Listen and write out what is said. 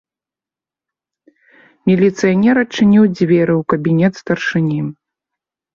Міліцыянер адчыніў дзверы ў кабінет старшыні.